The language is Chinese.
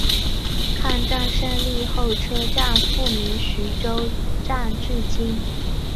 抗战胜利后车站复名徐州站至今。